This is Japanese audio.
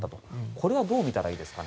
これはどうみたらいいですか？